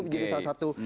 menjadi salah satu